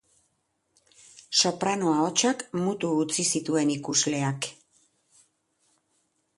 Soprano ahotsak mutu utzi zituen ikusleak.